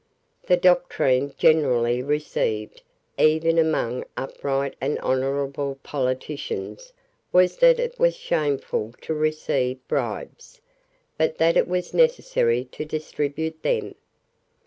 The doctrine generally received, even among upright and honourable politicians, was that it was shameful to receive bribes, but that it was necessary to distribute them.